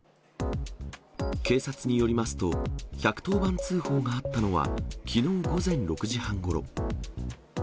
警察によりますと、１１０番通報があったのはきのう午前６時半ごろ。